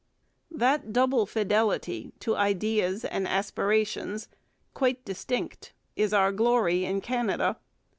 That double fidelity to ideas and aspirations, quite distinct, is our glory in Canada.